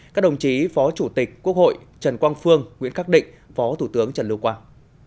các đồng chí phó chủ tịch quốc hội trần quang phương nguyễn khắc định phó thủ tướng trần lưu quang